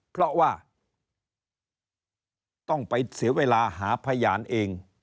เพราะว่าต้องไปเสียเวลาหาพยานเอง